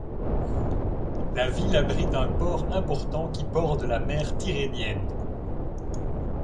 La ville abrite un port important qui borde la mer Tyrrhénienne.